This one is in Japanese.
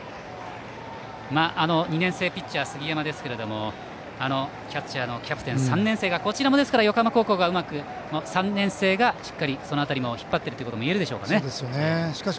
２年生ピッチャー、杉山ですがキャッチャーのキャプテン玉城、３年生が横浜高校もしっかり、その辺りも引っ張っているということがいえるでしょうかね。